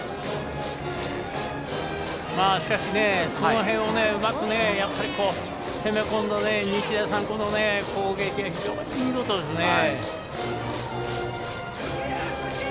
しかし、その辺をうまく攻め込んだ日大三高の攻撃が非常に見事ですね。